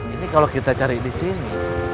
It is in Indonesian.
ini kalau kita cari di sini